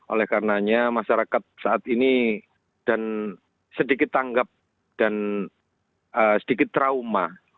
oleh karenanya masyarakat saat ini dan sedikit tanggap dan sedikit trauma